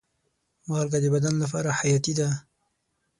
مالګه د بدن لپاره حیاتي ده.